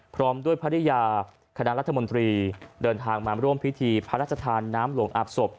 พร้อมด้วยภรรยาคณะรัฐมนตรีเดินทางมาร่วมพิธีพระราชทานน้ำหลวงอาบศพ